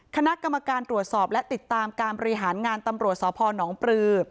คณะกรรมการตรวจสอบและติดตามการบริหารงานตำรวจสพนปลือ